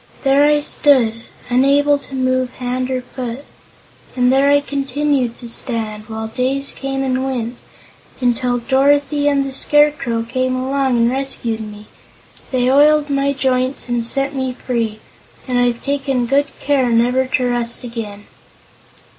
There I stood, unable to move hand or foot. And there I continued to stand while days came and went until Dorothy and the Scarecrow came along and rescued me. They oiled my joints and set me free, and I've taken good care never to rust again."